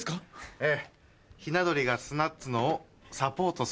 ええひな鳥がすなっつのをサポートする。